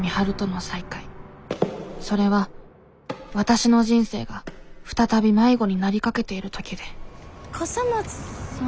それはわたしの人生が再び迷子になりかけている時で笠松さん？